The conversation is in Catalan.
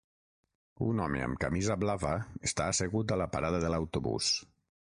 Un home amb camisa blava està assegut a la parada de l'autobús.